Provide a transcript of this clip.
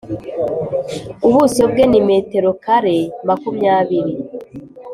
ubuso bwe ni metero kare makumyabiri